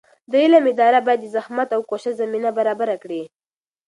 د علم اداره باید د زحمت او کوشش زمینه برابره کړي.